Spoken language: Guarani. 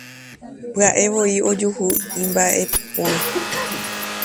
Pya'evoi ojuhu imba'aporã.